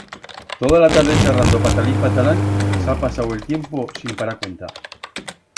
Toda la tarde charrando, patalín-patalán, s'ha pasau el tiempo sin parar cuenta.